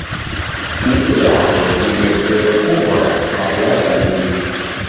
Ni ilagho jileghere kughora sukari yazamie.